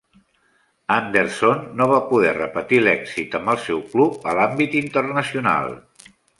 Anderson no va poder repetir l'èxit amb el seu club a l'àmbit internacional.